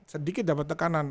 sedikit dapat tekanan